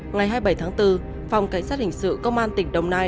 ngày hai mươi bảy tháng bốn phòng cảnh sát hình sự công an tỉnh đồng nai